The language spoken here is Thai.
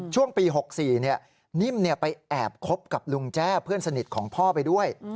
ช่วงปี๖๔นิ่มไปแอบคบกับลุงแจ้เพื่อนสนิทของพ่อไปด้วย